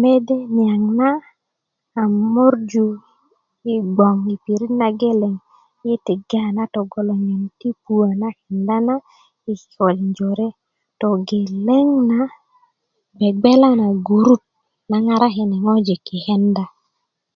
mede niaŋ na a mörju i gboŋ i pirit na geleŋ i tiga na togolonyön puwö na kenda na yi kikölin jore togeleŋ na bgebgela na gurut na ŋarakini ŋojik yi kenda